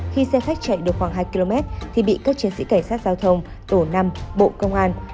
khi xe khách chạy được khoảng hai km thì bị các chiến sĩ cảnh sát giao thông tổ năm bộ công an